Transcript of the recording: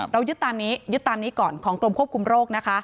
เรายึดตามนี้ก่อนของกรมควบคุมโรคนะคะ